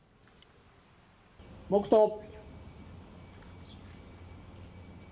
黙とう。